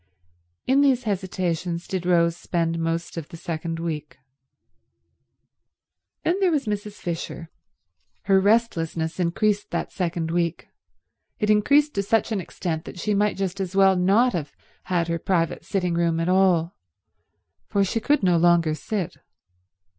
In these hesitations did Rose spend most of the second week. Then there was Mrs. Fisher. Her restlessness increased that second week. It increased to such an extent that she might just as well not have had her private sitting room at all, for she could no longer sit.